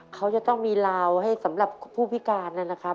เขาจะต้องมีลาวให้สำหรับผู้พิการนะครับ